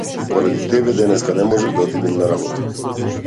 Поради тебе денеска не можев да отидам на работа.